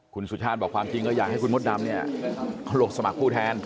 คุณสุชาร์ดบอกความจริงแล้วอยากให้คุณมสอนะดำหลวงสมัครผู้แทน